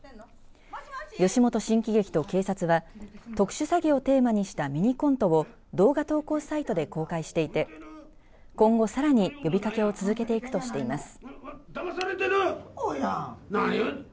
吉本新喜劇と警察は特殊詐欺をテーマにしたミニコントを動画投稿サイトで公開していて今後さらに呼びかけを続けていくとしています。